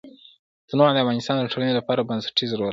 تنوع د افغانستان د ټولنې لپاره بنسټيز رول لري.